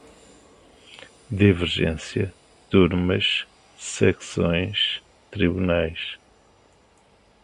divergência, turmas, seções, tribunais